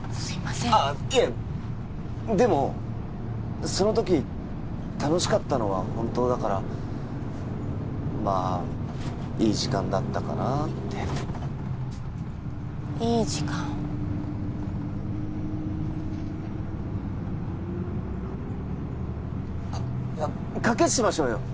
いえでもその時楽しかったのは本当だからまあいい時間だったかなあっていい時間あっ賭けしましょうよ